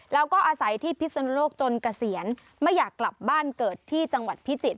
แล้วก็อาศัยที่พิศนุโลกจนเกษียณไม่อยากกลับบ้านเกิดที่จังหวัดพิจิตร